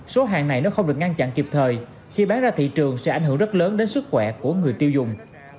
số hàng này nếu không được ngăn chặn kịp thời khi bán ra thị trường sẽ ảnh hưởng rất lớn đến sức khỏe của người tiêu dùng